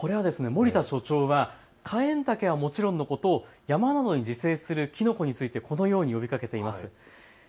守田所長はカエンタケはもちろんのこと、山などに自生するきのこについてこのように呼びかけています。